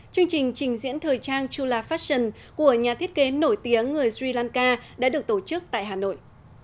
chương trình trình diễn thời trang chula fassion của nhà thiết kế nổi tiếng người sri lanka đã được tổ chức tại hà nội